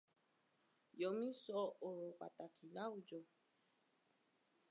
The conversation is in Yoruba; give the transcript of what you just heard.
Yọ̀mí sọ ọ̀rọ̀ pàtàkì láwùjọ.